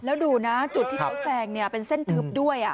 แล้วดูนะจุดที่เขาแซงเป็นเส้นทึบด้วย